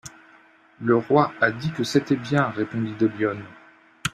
Le roi a dit que c'était bien, répondit de Lyonne.